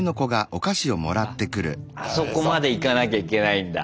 あっあそこまでいかなきゃいけないんだ。